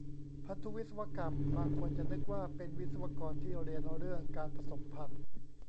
พันธุวิศวกรรม บางคนจะนึกว่าเป็นวิศวกรที่เรียนเรื่องการผสมพันธุ์